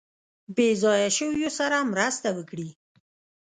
بې ځایه شویو سره مرسته وکړي.